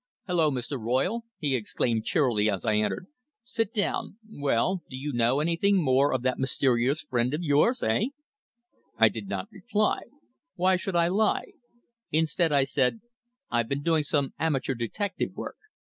"Hulloa, Mr. Royle!" he exclaimed cheerily as I entered. "Sit down well, do you know anything more of that mysterious friend of yours eh?" I did not reply. Why should I lie? Instead, I said: "I've been doing some amateur detective work.